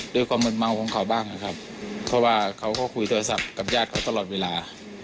ความมืนเมาของเขาบ้างนะครับเพราะว่าเขาก็คุยโทรศัพท์กับญาติเขาตลอดเวลา